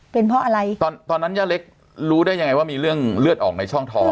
เป็นเพราะอะไรตอนตอนนั้นย่าเล็กรู้ได้ยังไงว่ามีเรื่องเลือดออกในช่องท้อง